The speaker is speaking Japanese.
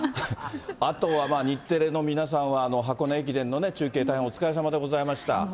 あとは日テレの皆さんは箱根駅伝の中継、大変お疲れさまでございました。